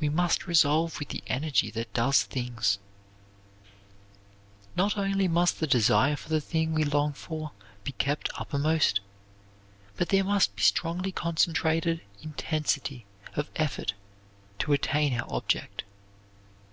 We must resolve with the energy that does things. Not only must the desire for the thing we long for be kept uppermost, but there must be strongly concentrated intensity of effort to attain our object.